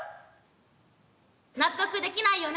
納得できないよね。